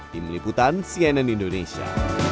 tim liputan cnn indonesia